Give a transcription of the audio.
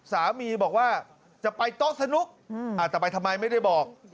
สามีบอกว่าจะไปโต๊ะสนุกแต่ไปทำไมไม่ได้บอก